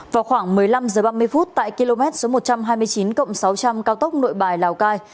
vào khoảng một mươi năm h ba mươi tại km một trăm hai mươi chín cộng sáu trăm linh cao tốc nội bài lào cai